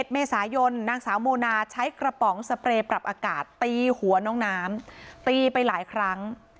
เมษายนนางสาวโมนาใช้กระป๋องสเปรย์ปรับอากาศตีหัวน้องน้ำตีไปหลายครั้ง